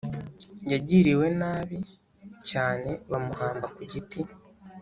yagiriwe nabi cyane, bamubamba ku giti.